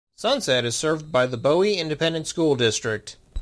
Sunset is served by the Bowie Independent School District.